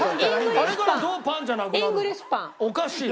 あれからどうパンじゃなくなるの？